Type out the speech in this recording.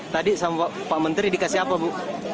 tadi sama pak menteri dikasih apa bu